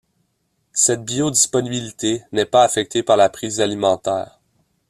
Cette biodisponibilité n’est pas affectée par la prise alimentaire.